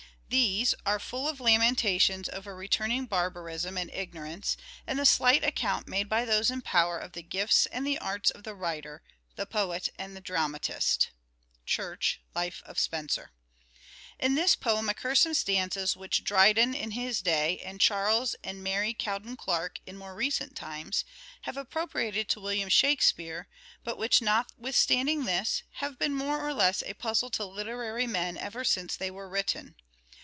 These "are full of lamentations over returning barbarism and ignorance, and the slight account made by those in power of the gifts and the arts of the writer, the poet and the dramatist " (Church : Life of Spenser). In this poem occur some stanzas which Dryden in his day, and Charles and Mary Cowden Clarke in more recent times, have appropriated to William Shakspere, but which, notwithstanding this, have been more or less a puzzle to literary men ever since they were written.